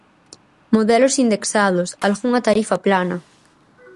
Modelos indexados, algunha tarifa plana...